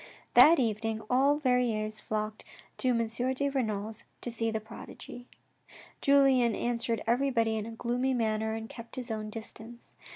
That evening all Verrieres flocked to M. de Renal's to see the prodigy. Julien answered everybody in a gloomy manner and kept his own distance.